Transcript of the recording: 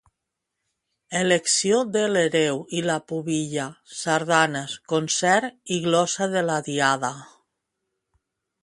Elecció de l'hereu i la pubilla, sardanes, concert i glossa de la diada.